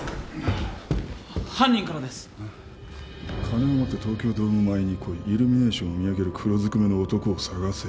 「金を持って東京ドーム前に来い」「イルミネーションを見上げる黒ずくめの男を探せ」